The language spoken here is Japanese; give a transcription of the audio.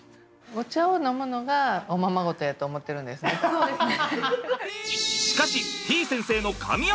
そうですね。